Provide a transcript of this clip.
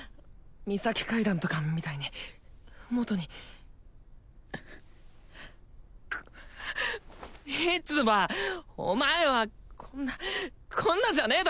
ミサキ階段とかみたいに元に三葉お前はこんなこんなじゃねえ